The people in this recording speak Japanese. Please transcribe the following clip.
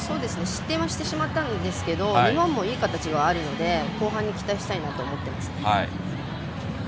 失点はしてしまったんですけど日本もいい形はあるので後半に期待したいなと思います。